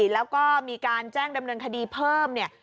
แล้วก็มีการแจ้งดำเนินคดีเพิ่มเนี่ย